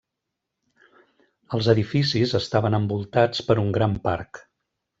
Els edificis estaven envoltats per un gran parc.